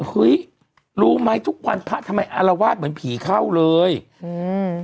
เฮ้ยรู้ไหมทุกวันพระทำไมอารวาสเหมือนผีเข้าเลยอืม